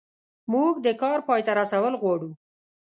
موږ د کار پای ته رسول غواړو.